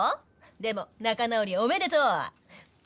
でも仲直りおめでとー！